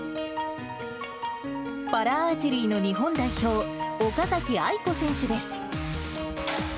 パラアーチェリーの日本代表、岡崎愛子選手です。